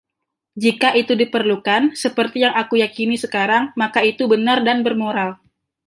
jika itu diperlukan, seperti yang aku yakini sekarang, maka itu benar dan bermoral.